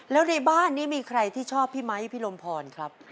แล้วในบ้านนี้มีใครที่ชอบพี่ไมค์พี่ลมพรครับ